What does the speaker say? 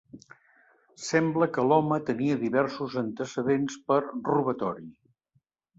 Sembla que l’home tenia diversos antecedents per robatori.